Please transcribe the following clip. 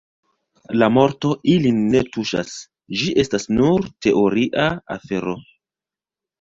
La morto ilin ne tuŝas: ĝi estas nur teoria afero.